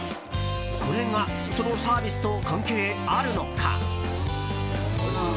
これが、そのサービスと関係あるのか？と、